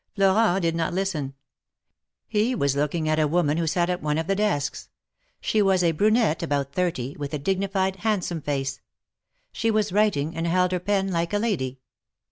Florent did not listen. He was looking at a woman who sat at one of the desks. She was a brunette about thirty, with a dignified, handsome face. She was writing, and held her pen like a lady.